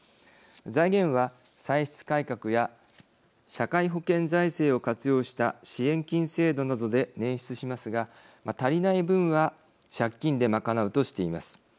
財源は歳出改革や社会保険財政を活用した支援金制度などで捻出しますが足りない分は借金で賄うとしています。